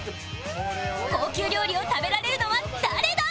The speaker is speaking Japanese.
高級料理を食べられるのは誰だ！？